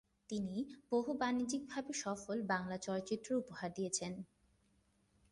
তিনি বহু বাণিজ্যিক ভাবে সফল বাংলা চলচ্চিত্র উপহার দিয়েছেন।